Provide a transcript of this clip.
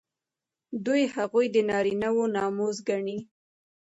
دوی هغوی د نارینه وو ناموس ګڼي.